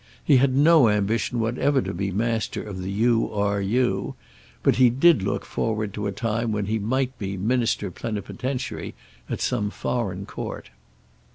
He had no ambition whatever to be master of the U. R. U.; but did look forward to a time when he might be Minister Plenipotentiary at some foreign court.